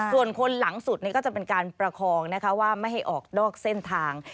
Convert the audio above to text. ส่วนคนหลังสุดก็จะเป็นการประคองนะคะว่าไม่ให้ออกนอกเส้นทาง